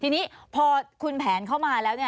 ทีนี้พอคุณแผนเข้ามาแล้ว